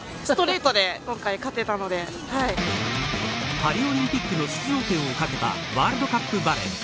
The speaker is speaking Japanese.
パリオリンピックへの出場権を懸けたワールドカップバレー。